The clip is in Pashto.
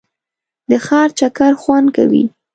د ښار چکر خوند کوي.